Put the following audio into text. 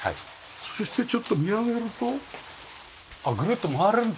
そしてちょっと見上げるとあっぐるっと回れるんだ。